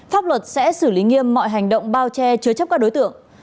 pháp luật sẽ xử lý nghiêm mọi hành động bao che chứa chấp các đối tượng